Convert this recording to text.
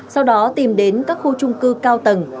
sau đó tìm đến các khu trung cư cao tầng